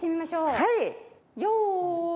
はい。